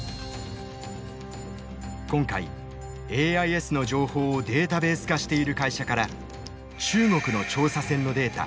今回ＡＩＳの情報をデータベース化している会社から中国の調査船のデータ